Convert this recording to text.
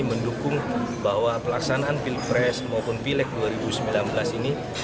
mendukung bahwa pelaksanaan pilpres maupun pileg dua ribu sembilan belas ini